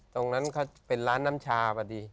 ตรงนั้นเป็นน้ำชา